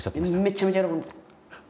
めっちゃめちゃ喜んでた。